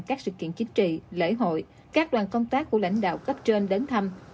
các sự kiện chính trị lễ hội các đoàn công tác của lãnh đạo cấp trên đến thăm